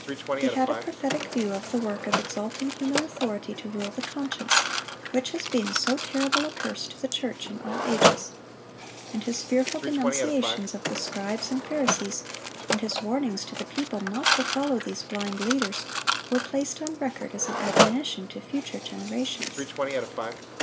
He had a prophetic view of the work of exalting human authority to rule the conscience, which has been so terrible a curse to the church in all ages. And His fearful denunciations of the scribes and Pharisees, and His warnings to the people not to follow these blind leaders, were placed on record as an admonition to future generations.